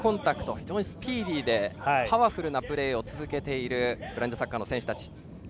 非常にスピーディーでパワフルな試合を続けているブラインドサッカーの選手たち。